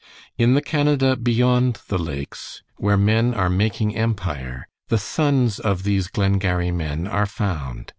In the Canada beyond the Lakes, where men are making empire, the sons of these Glengarry men are found.